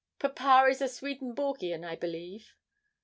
'Papa is a Swedenborgian, I believe.'